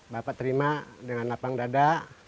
bapak terima dengan lapang dada